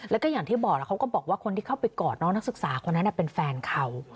แล้วก็อย่างที่บอกเขาก็บอกว่าคนที่เข้าไปกอดน้องนักศึกษาคนนั้นเป็นแฟนเขา